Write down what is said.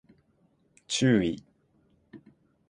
注意